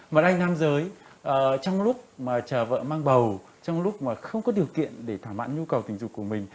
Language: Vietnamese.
mà đây nam giới trong lúc mà chờ vợ mang bầu trong lúc mà không có điều kiện để thỏa mãn nhu cầu tình dục của mình